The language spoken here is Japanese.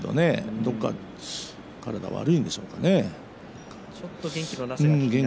どこか体が悪いんでしょうか。